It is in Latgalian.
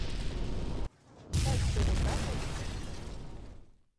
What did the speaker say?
Kaids tev ir dators?